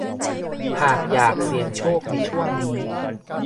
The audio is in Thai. หากอยากเสี่ยงโชคในช่วงนี้